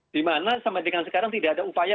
dimana sampai dengan sekarang tidak ada upaya